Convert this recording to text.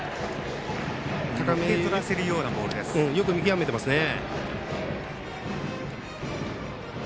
高め、よく見極めてますね。